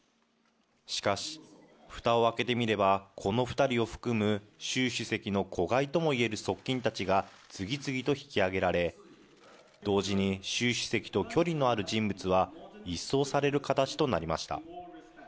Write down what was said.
しかし、ふたを開けてみれば、この２人を含む習主席の子飼いともいえる側近たちが次々と引き上げられ、同時に習主席と距離のある人物は一掃される形となりました。